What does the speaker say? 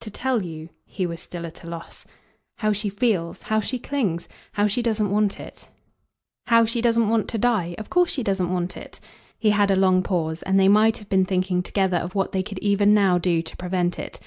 "To tell you?" He was still at a loss. "How she feels. How she clings. How she doesn't want it." "How she doesn't want to die? Of course she doesn't want it." He had a long pause, and they might have been thinking together of what they could even now do to prevent it.